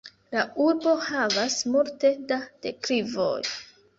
La urbo havas multe da deklivoj.